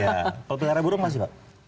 kalau pelihara buruk masih mahasiswa